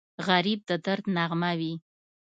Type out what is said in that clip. غریب د درد نغمه وي